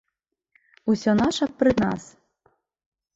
Усё наша пры нас.